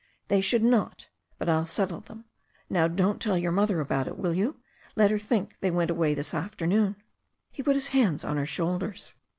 "They should not. But Til settle them. Now, don't tell your mother about it, will you? Let her think they went away this afternoon." He put his hands on her shoulders.